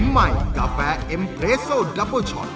ใหม่กาแฟเอ็มเรสโซนดับเบอร์ช็อต